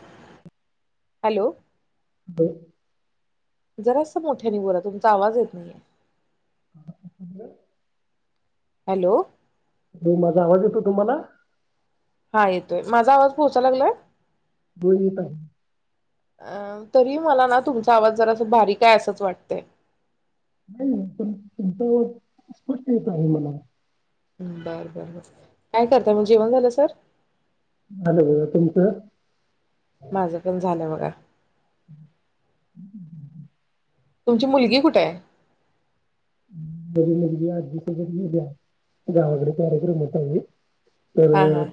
[inaudible] Hello. [inaudible] जरास मोठ्यांने बोला तुमचा आवाज येत नाहीये. हॅलो. हो माझा आवाज येतोय तुम्हाला? हा येतोय. माझा आवाज पोहोचा लागलाय? अ [unintelligible] तरी मला ना तुमचा आवाज जरास बारीक आहे असंच वाटतंय. नाही पण तुमचा येतो स्पष्ट येत आहे मला. बरं, बरं, बरं काय करताय मग, जेवण झाल सर? झालं बघा. तुमचं? माझं पण झालं बघा. [inaudible] तुमची मुलगी कुठेय? बर झाल ती आज्जीकडं गेल्या गावाकडं कार्यक्रम होता म्हणून. हा तर हा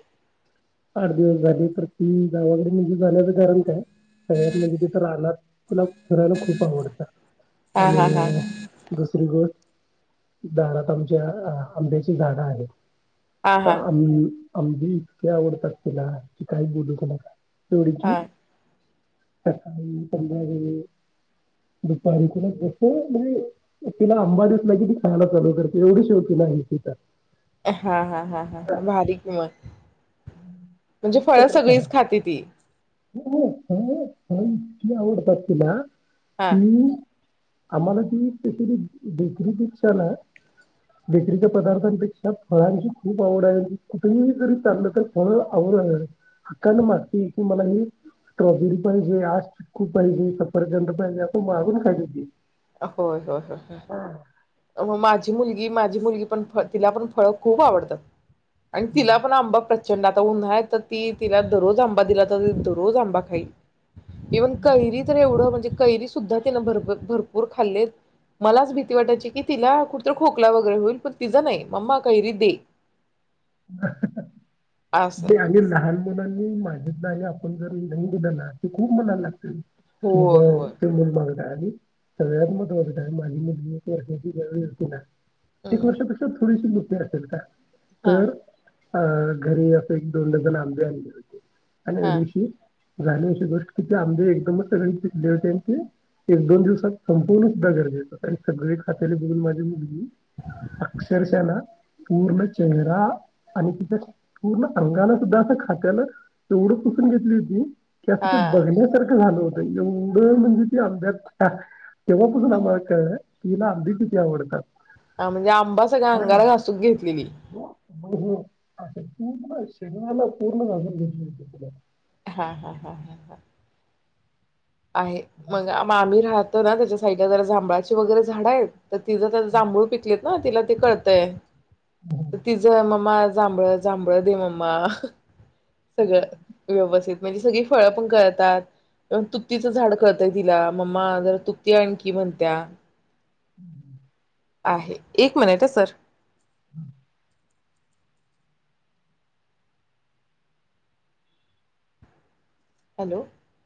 आठ दिवस झाली तर ती गावाकडे म्हणजे जाण्याच कारण काय सगळ्यात म्हणजे तिथं राहणार तिला फिरायला खूप आवडत हा आणि हा हा बस [unintelligible] दारात आमच्या आंब्याची झाडं आहेत. हा तर हा आम्ही आंबे इतके आवडतात तिला की काही बोलूच नका. हा [unintelligible] सकाळी, संध्याकाळी, दुपारी तीला कस म्हणजे तिला आंबा दिसला की ती खायला चालू करते एवढी [unintelligible] फूल आहेत तिचा. हा, हा, हा, हा, हा भारी की मग. म्हणजे फळं सगळीच खाते ती. [inaudible] फळ इतकी आवडतात तिला हा तीने ना आम्हाला ती स्पेशली बेकरीपेक्षा ना बेकरीच्या पदार्थांपेक्षा फळांची खूप आवड आहे. कुठे ही जरी चाललं तर फळ आवड हक्कानी मागती ती आणि स्ट्रॉबेरी पाहिजे, आज चिक्कू पाहिजे, सफरचंद पाहिजे असं मागून खाते ती. होय, होय, होय, होय. मग माझी मुलगी, माझी मुलगी पण तिला पण फळ खूप आवडतात. आणि तिला पण आंबा प्र चंड आता उन्हाळ्यात त ती तिला दरोज, आंबा दिला त दरोज आंबा खाई. इव्हन कैरी तर एवढं म्हणजे. कैरी सुद्धा तिनं भरप भरपूर खाल्लेत मलाच भीती वाटायची की तिला कुठतरी खोकला वगैरे होईल पण तिच नाही मम्मा कैरी दे. असं आणी लहान मुलांनी मागितलं आणि आपण जरी नाही दिलं ना ते खूप मनाला लागत [unintelligible] होय होय होय [unintelligible] एक हम्म. वर्षापेक्षा थोडीशी मो [unintelligible] हा तर अ घरी असं एक दोन डझन आंबे आणले होते. आणि हा ऋषी झाली अशी गोष्ट की ते आंबे एकदमच सगळी पिकले होते आणि ते एक दोन दिवसात संपवन सुद्धा गरजेचं होत आणि सगळी खातेल बघून माझी मुलगी अक्षरशा ना. पूर्ण चेहरा आणि तिच्या पूर्ण अंगाला सुद्धा असं खात्यालं तेवढं पुसून घेतली होती. की असं ते हा बघण्यासारखं झाल होतं. एव्हढ म्हणजे ती आंब्यात तेव्हापसून आम्हाला कळल की हिला आंबे किती आवडतात. हा म्हणजे आंबा सगळ्या अंगाला घासून घेतलेली. म हो म्हणजे पूर्ण शरीराला पूर्ण घासून घेतली होती. हा हा हा हा हा आहे मग मामी राहत तर ना त्याच्या साईडला जरा जांभळाची वगैरे झाडं आहेत तर तिजं त जांभूळ पिकलेत ना तिला ते कळतंय. हो. त तिज मम्मा जांभळ जांभळ दे मम्मा. सगळं व्यवस्थित म्हणजे सगळी फळं पण कळतात तू तीचं झाड कळतय तिला मम्मा जरा तुती आण की म्हण तीया. [inaudible] आहे एक मिनिट ह सर [inaudible] हॅलो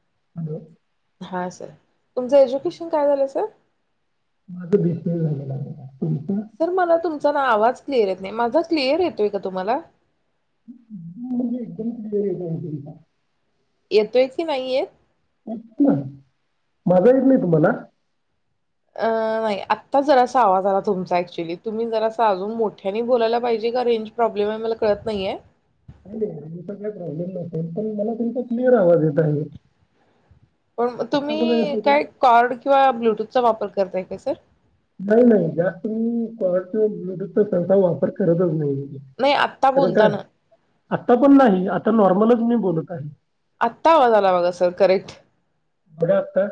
[unintelligible] हां सर तुमचं एज्युकेशन काय झालंय सर माझ [unintelligible] झालेल आहे मॅम सर मला तुम् पण आवाज क्लिअर येत नाय माझा क्लिअर येतोय का तुम्हाला म्हणजे एकदम क्लिअर येईना [unintelligible] येतोय की नाही येत [unintelligible] माझा येत नाय तुम्हाला अं नाही आत्ता जरासा आवाज आला तुमचा ऍक्च्युली तुम्ही जरा अजून मोठ्यानी बोलायला पाहिजे का रेंज प्रॉब्लेम आहे मला कळत नाहीय. नाही रेंज काय प्रॉब्लेम नसेल पण मला त्यांचा क्लिअर आवाज येत आहे. पण आत्ता मला तुम्ही येतो का काय कॉड किंवा ब्लूटूथ चा वापर करताय का सर नाही नाही जास्त मी कॉड किंवा ब्लूटूथचा सहसा वापर करतच नाही. आत्ता कारण का बोलताना आता पण नाही आता नॉर्मलच मी बोलत आहे. आता आवाज आला बघा सर करेक्ट बघा आत्ता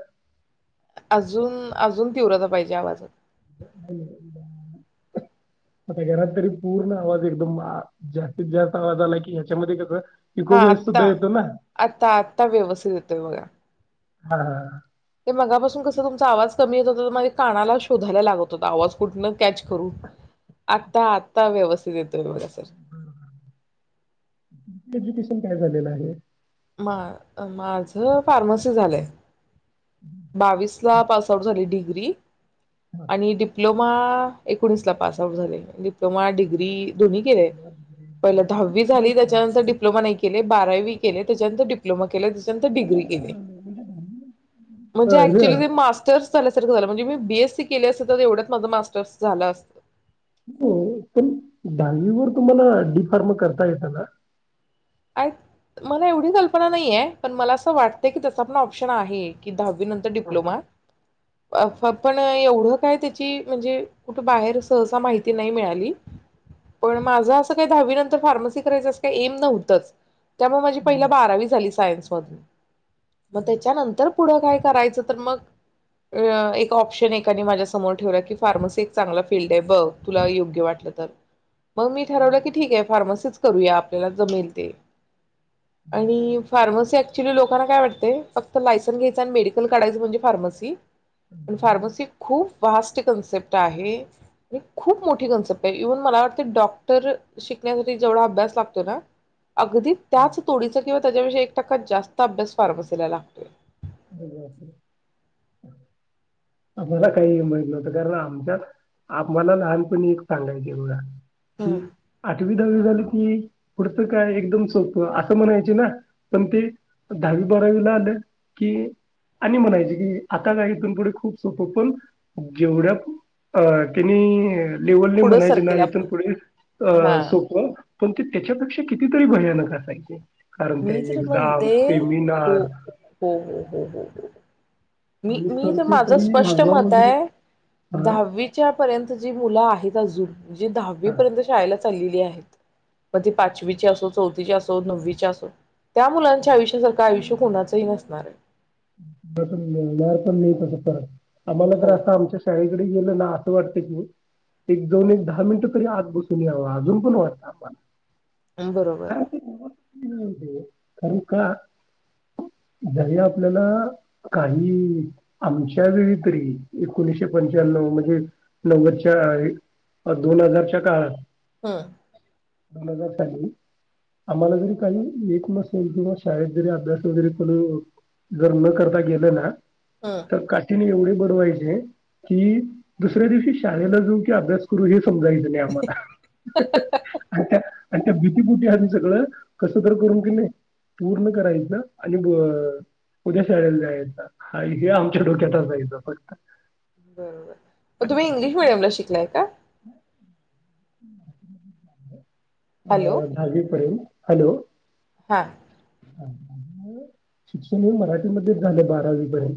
अजून अजून तीव्रता पाहिजे आवाजात [unintelligible] आता घरात तरी पूर्ण आवाज एकदम जास्तीत जास्त आवाज आला की ह्याच्यामध्ये कस हा आता आता आता व्यवस्थित येतोय बघा हा हा ते मगापासून कस तुमचा आवाज कमी येत होता तर माझे कानाला शोधायला लागत होता आवाज कुठ कॅच करू आत्ता आत्ता व्यवस्थित येतोय बघा. बरं बरं तुमच एज्युकेशन काय झालेलं आहे. मा माझ फार्मासी झालंय. बावीसला पास आउट झाली डी ग्री आणि डिप्लो मा एकोणीसला पास आउट झाले डिप्लोमा डिग्री दोन्ही केले पहिले दहावी झाली त्याच्यानंतर डिप्लोमा नाही केले बारावी केले. त्याच्या नंतर डिप्लोमा केलय त्याच्या नंतर डिग्री केलीया अ, म्हणजे हे एकच्युली ते मास्टरस झाल्यासारख झाल म्हणजे मी बी एस सी केली असती तर एवढ्यात माझं मास्टर झालं असत. हो पण दहावी वर तुम्हाला डी फार्म करता येत ना आय मला एवढी कल्पना नाहीे ये पण मला असं वाटत की त्याचा पण ऑप्शन आहे की दहावी नंतर डिप्लोमा अ पण एवढं काय त्याची म्हणजे कुठे बाहेर सहसा माहिती नाही मिळाली. पण माझं असं काही दहावी नंतर फार्मसी करायचं असं काही एम नव्ह तच त्यामुळे माझी पहिला बारावी झाली सायन्स मधून. मग त्याच्यानंतर पुढ काय करायचं, तर मग अ एक ऑप्शन एकाने माझ्या समोर ठेवल की फार्मसी एक चांगला फील्ड आहे बघ तुला योग्य वाटल तर. मग मी ठरवलं की ठीक आहे फार्मसीच करूया आपल्याला जमेल. आणि फार्मसी ऍक्च्युली लोकांना काय वाटते फक्त लायसन्स घ्यायच आणि मेडिकल काढायच म्हणजे फार्मसी. पण फार्मसी खूप व्हास्ट कन्सेप्ट आहे आणी खूप मोठी कन्सेप्ट आहे. इव्हन मला वाटतंय डॉक्टर शिकण्यासाठी जेवढा अभ्यास लागतो ना अगदी त्याच तोडीचा किंवा त्याच्यापेक्षा एक टक्का जास्त अभ्यास फार्मसीला लागतोय. [unintelligible] आम्हाला काही माहित नव्हतं, कारण आमच्यात आम्हाला लहानपणी एक सांगायचे बघा की हम्म. आठ आठवी, दहावी झाली की पुढच काय एकदम सोप अस म्हणायचे ना. पण ते दहावी, बारावीला आलं की आणि म्हणायचे की आता काय इथून पुढे खूप सोपं. पण जेवढ्यात अ तेनी लेवलने पुढं म्हणायचे ना सरकेल इथून आपण पुढे अ हा सोप पण ते त्याच्यापेक्षा कितीतरी भयानक असायचे. कारण त्या मी जर एक्झाम म्हणते हो, सेमिनार हो, हो, हो, हो, हो, हो. मी मी तर सेमिस्टरचे माझ तरी स्पष्ट व्हायवा मत वगैरे आहे, हा दहावीच्या पर्यंत जी मुल आहेत [unintelligible] जे दहावी हा पर्यंत शाळेला ठरलेली आहेत पण ते पाचवीचे असो, चौथीचे असो, नववीचे असो त्या मुलांच्या आयुष्यासा का आयुष्य कोणाचही नसणार आहे. [unintelligible] मिळणार पण नाही तस परत. आम्हाला तर अस हो आमच्या शाळेकडे गेल ना अस वाटत की एक जाऊन एक दहा मिनिट तरी आत बसून याव, अजून पण वाटत आम्हाला. बरोबर काय ते [unintelligible] [unintelligible] कारण का दर्या आपल्याला काही आमच्या वेळी तरी एकोणीशे पंच्याण्णव म्हणजे नव्वदच्या अ दोन हजारच्या काळात हम्म दोन हजार साली आम्हाला जरी काही एक मस येल किंवा शाळेत जरी अभ्यास वगैरे पुढं जर न करता गेल ना हम्म तर काठीणे एवढे बड वायचे की दुसऱ्या दिवशी शाळेला जाऊ की अभ्यास करू हेच समजायच नाही आम्हाला. आणी त्यात आणी त्या भीतीपोटी आम्ही सगळ कस तर करून कणी पूर्ण करायच आणि अ उद्या शाळेला जायच. हा हे आमच्या डोक्यात असायच फक्त. बरोबर म तुम्ही इंग्लिश मिडीयमला शिकलाय काय? नाय. [inaudible] हॅलो अं दहावीपर्यंत. हॅलो. हा. आणि मग शिक्षण हे मराठीमध्येच झाले बारावीपर्यंत.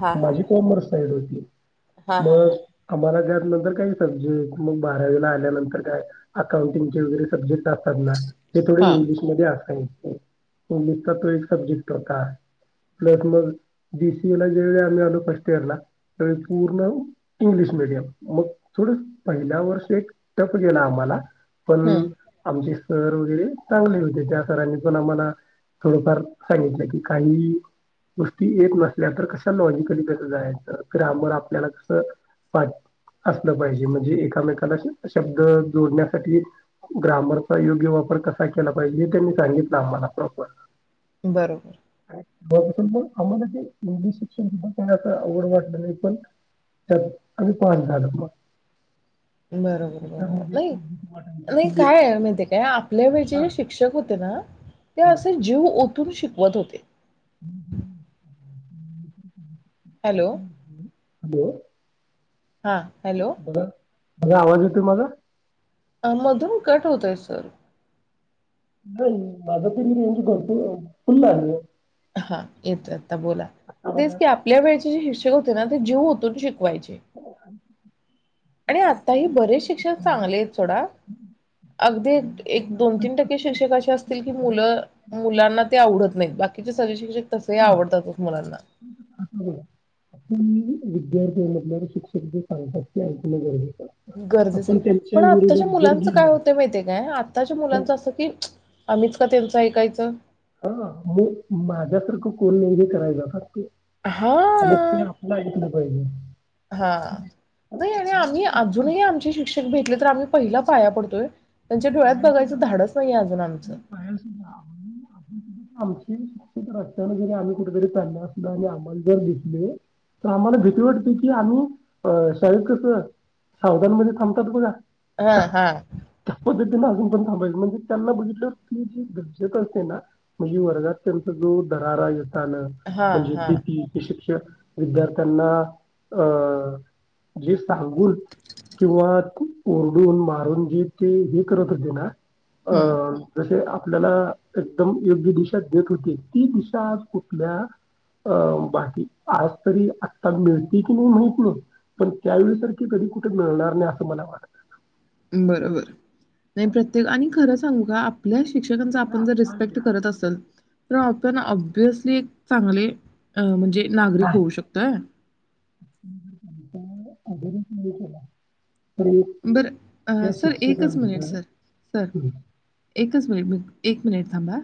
हां हां माझी कॉमर्स साईड होती. [unintelligible] हां हां मग, हां आम्हाला जर नंतर काही सब्जेक्ट मग बाराला आल्यानंतर काय अकाउंटिंगचे वगैरे सब्जेक्ट असतात ना ते थोडे हां इंग्लिशमध्ये [unintelligible] इंग्लिशचा तो एक सब्जेक्ट होता, प्लस मग बीसी ला जे वेळी आम्ही आलो फस्ट ईयरला त्याळी पूर्ण इंग्लिश मिडीयम मग थोड पहिल्या वर्ष एक टफ गेला आम्हाला, पण, हम्म आमची सर वगैरे चांगले होते, त्या सरांने पण आम्हाला थोडफार सांगितलं की काही गोष्टी येत नसल्या तर कशा लॉजिकली त्यास जायचं ग्रामर आपल्याला कस असलं पाहिजे, म्हणजे एकामेकाला शब्द जोडण्यासाठी ग्रामरचा योग्य वापर कसा केला पाहिजे हे त्यांनी सांगितलं आम्हाला. [unintelligible] बरोबर, पण मग आम्हाला जे इंग्लिश शिक्षण सुद्धा काही असं अवघड वाटलं नाही पण त्यात आम्ही पास झालो. पण बरोबर बरोबर मध्ये नाही खूप भीती वाटायची नाही की काय माहिती काय आपल्या वेळचे हा जे शिक्षक होते ना, ते हा असे जीव ओतून शिक शिकवत होते. हॅलो, हॅलो हा हॅलो बघा बघा, माझ आवाज येतो माझा? हा मधून कट होतोय सर, नाही माझं तरी म्हणजे तर फुल्लं आहे. हा येतोय. आता बोला आता तेच बघा की, आपल्या वेळचे शिक्षक होते ना ते जीव ओतून शिक हो, आणि आताही बरेच शिक्षक चांगले आहेत. सोडा अगदी एक दोन तीन टक्के शिक्षक असे असतील की मुलं मुलांना ते आवडत नाहीत बाकी कि सगळे शिक्षक तसे आवडतातच मुलांना, विद्यार्थ्यांमधल्या शिक्षक जे सांगतात ते ऐकण गरजे गरजेच आहे पण आत्ताच्या जर मुलांचं काय होत गेलो माहिती काम? आत्ताच्या मुलांचं असं कि, आम्हीच का त्यांच ऐकायचं, हा मी माझ्यासारखं कोण नाही, ग करायला. ते, हा आपल ऐकलं हो, नाही. हा नाही आणि आम्ही अजूनही आमचे शिक्षक भेटले तर आम्ही पहिला पाया पडतोय. त्यांच्या डोळ्यात बाहेर. बघायचं धाडस नाहीये अजून आमचं [unintelligible] आमची शिक्षित रस्त्यानं जरी आम्ही कुठेतरी त्यांना [unintelligible] दिसले तर आम्हाला भीती वाटते की आम्ही अ शाळेत कसं साऊधानमध्ये थांबतात बघा हा हा. वे त्यांना अजून पण थांबवय म्हणजे त्यांना बघितलं की ते जे गरजक असते ना म्हणजे वर्गात त्यांचा जो दरारा आहे. ताना हा म्हणजे हा भिती विद्यार्थ्यांना अ जे सांगून किंवा ओरडून-मारून जी ते हे करत होते ना अ हम्म जशे आपल्याला एकदम योग्य दिशा देत होती, ती दिशा आज कुठल्या अ बाकी आज तरी आत्ता मिळते की नाही माहित नाही पण त्यावेळेसारख कधी कुठे मिळणार नाही असं मला वाटतं. बरोबर नाही प्रत्येक आणि खरंच सांग आपल्या शिक्षकांचा आपण जर वाटतं. रिस्पेक्ट करत असेल पण आपण ऑब्वियसली एक चांगले अ म्हण जे नागरिक होऊ नाही. शकतय. त्या अभ्यारीस नाही केला. तर एक बरं अ त्या सर एकच मिनिट शिक्षकांचं सर सर एकच मिनिट मग एक मिनिट थांबा.